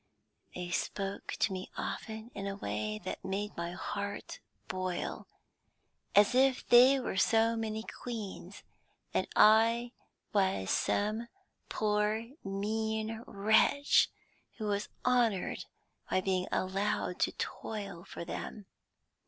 They spoke to me often in a way that made my heart boil, as if they were so many queens, and I was some poor mean wretch who was honoured by being allowed to toil for them.